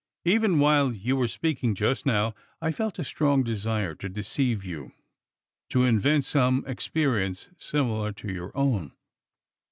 Even while you were speaking just now, I felt a strong desire to deceive you, to invent some experience similar to your own."